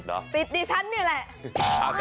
ติดดิฉันนี่แหละ